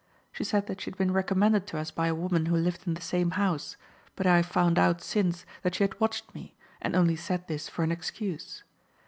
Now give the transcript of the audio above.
She said that she had been recommended to us by a woman who lived in the same house, but I found out since that she had watched me, and only said this for an excuse.